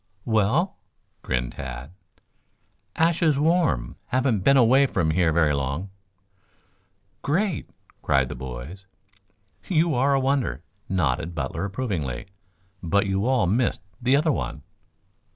"Well?" grinned Tad. "Ashes warm. Haven't been away from here very long." "Great!" cried the boys. "You are a wonder," nodded Butler approvingly. "But you all missed the other one."